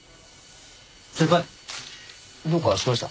先輩どうかしました？